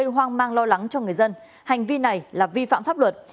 hành vi này là vi phạm pháp luật